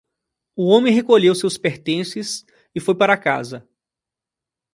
O homem recolheu seus pertences e foi para casa.